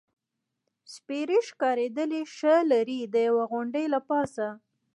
سپېرې ښکارېدلې، ښه لرې، د یوې غونډۍ له پاسه.